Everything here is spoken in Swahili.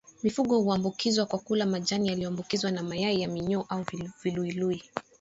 Mifugo huambukizwa kwa kula majani yaliyoambukizwa na mayai ya minyoo au viluilui